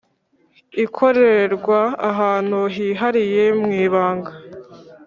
ikorerwa ahantu hihariye mwibanga